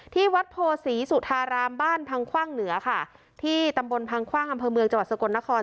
ที่วัดโพศีสุธารามบ้านพังคว่างเหนือค่ะที่ตำบลพังคว่างอำเภอเมืองจังหวัดสกลนคร